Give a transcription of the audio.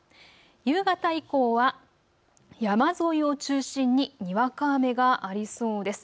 夕方以降は山沿いを中心ににわか雨がありそうです。